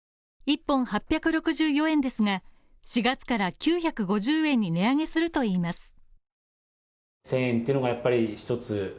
１本８６４円ですが４月から９５０円に値上げするといいます。